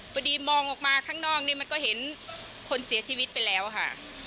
พอดีมองออกมาข้างนอกนี่มันก็เห็นคนเสียชีวิตไปแล้วค่ะ